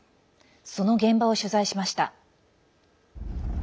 その現場を取材しました。